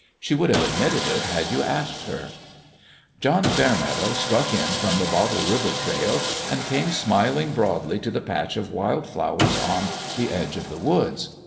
She would have admitted it had you asked her. John Fairmeadow struck in from the Bottle River Trail and came smiling broadly to the patch of wild flowers on the edge of the woods.